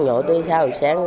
nhổ tới sáu sáng